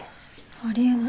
あり得ない。